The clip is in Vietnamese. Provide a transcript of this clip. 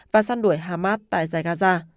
và săn đuổi hamas tại dài gaza